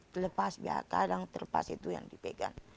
terlepas biar terlepas itu yang dipegang